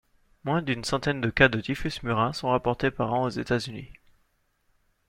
Moins d'une centaine de cas de typhus murin sont rapportés par an aux États-Unis.